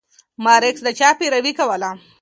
مارکس د چا پيروي کوله؟